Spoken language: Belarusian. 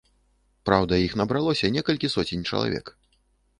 Праўда, іх набралося некалькі соцень чалавек.